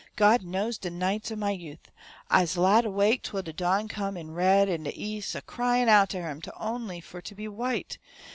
Gawd knows de nights er my youth I'se laid awake twell de dawn come red in de Eas' a cryin' out ter Him only fo' ter be white!